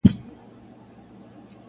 • په جنت کي مي ساتلی بیرغ غواړم -